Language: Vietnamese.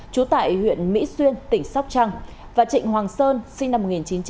trú tại huyện mỹ xuyên tỉnh sóc trăng và trịnh hoàng sơn sinh năm một nghìn chín trăm tám mươi